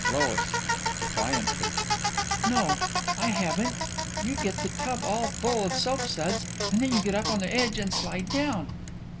LOIS: (Defiantly) No, I haven't. You you get the tub all full of soapsuds and then you get up on the edge and slide down.